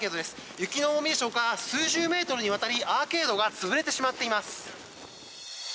雪の重みでしょうか数十メートルにわたりアーケードが潰れてしまっています。